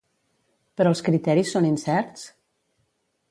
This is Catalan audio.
Però els criteris són incerts?